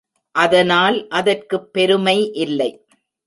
அதனால் அதற்குப் பெருமை இல்லை.